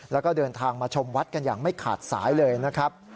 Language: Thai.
แล้วก็เดินทางมาชมวัดกันอย่างไม่ขาดสายเลยนะครับ